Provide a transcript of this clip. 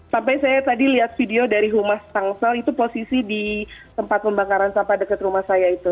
sampai saya tadi lihat video dari humas tangsel itu posisi di tempat pembakaran sampah dekat rumah saya itu